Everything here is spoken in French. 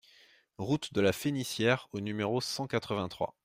Route de la Fénicière au numéro cent quatre-vingt-trois